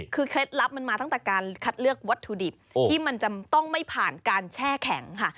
คือเคล็ดลับมันมาตั้งแต่การคัดเลือกวัตถุดิบที่มันจะต้องไม่ผ่านการแช่แข็งค่ะ